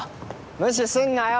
無視すんなよ！